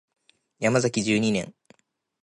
ヤマザキ十二年